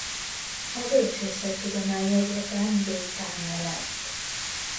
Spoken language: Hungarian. A Bölcsészettudományi Egyetem dékánja lett.